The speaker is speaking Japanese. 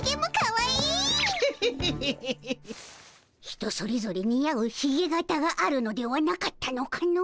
人それぞれ似合うひげ形があるのではなかったのかの？